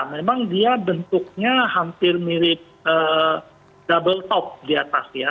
memang dia bentuknya hampir mirip double top di atas ya